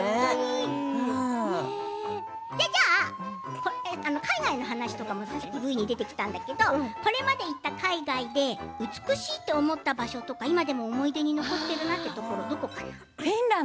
じゃあ海外の話とかもＶＴＲに出てきたけどこれまで行った海外で美しいと思った場所とか今でも思い出に残っているところあるかな？